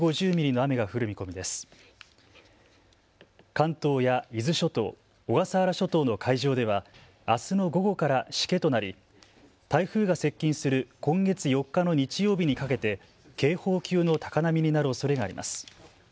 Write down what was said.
関東や伊豆諸島、小笠原諸島の海上ではあすの午後からしけとなり台風が接近する今月４日の日曜日にかけて警報級の高波になるおそれがあります。